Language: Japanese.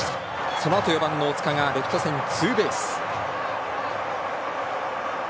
そのあと４番の大塚がレフト線ツーベース。